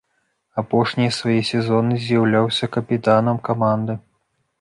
Апошнія свае сезоны з'яўляўся капітанам каманды.